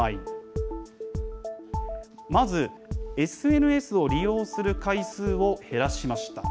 まずＳＮＳを利用する回数を減らしました。